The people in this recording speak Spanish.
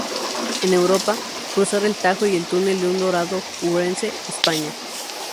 En Europa, cruzar el Tajo y el túnel de un Dorado-Ourense, España.